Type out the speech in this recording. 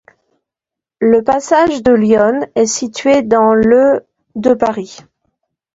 Le passage de l'Yonne est situé dans le de Paris.